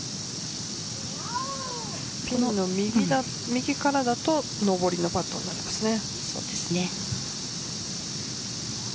ピンの右からだと上りのパットになりますね。